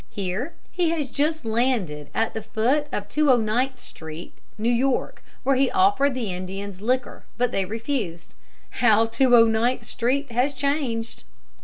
Here he has just landed at the foot of 209th Street, New York, where he offered the Indians liquor, but they refused. How 209th Street has changed!